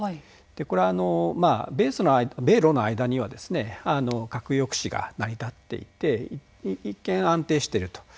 これは、米ロの間には核抑止が成り立っていて一見、安定していると。